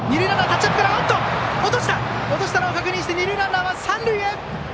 落としたのを確認して二塁ランナー、三塁へ！